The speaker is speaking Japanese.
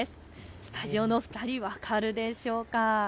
スタジオのお二人分かるでしょうか。